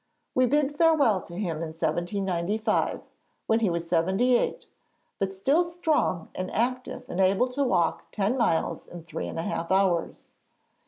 We bid farewell to him in 1795 when he was seventy eight, but still strong and active and able to walk ten miles in three and a half hours.